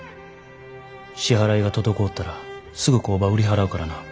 支払いが滞ったらすぐ工場売り払うからな。